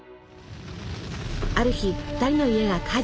ある日２人の家が火事に。